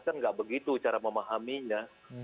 kan nggak begitu cara memahaminya